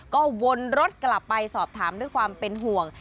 ก็วนรถกลับไปสอบถามด้วยความเป็นห่วง